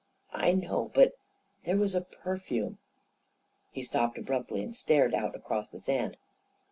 " I know — but there was a perfume ..." He stopped abruptly and stared out across the sand.